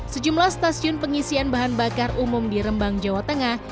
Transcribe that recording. sejumlah stasiun pengisian bahan bakar umum di rembang jawa tengah